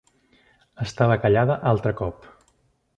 Estava callada altre cop.